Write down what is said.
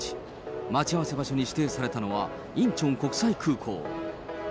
待ち合わせ場所に指定されたのはインチョン国際空港。